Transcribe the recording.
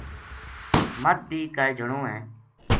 مَدھ بی کائے جنو ہے